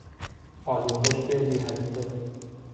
آلو خشک بی هسته